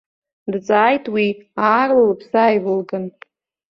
Дҵааит уи, аарла лыԥсы ааивылган.